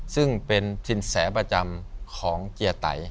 ซึ่งเป็นสินแสประจำของเจียไต